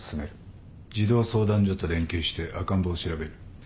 児童相談所と連携して赤ん坊を調べる。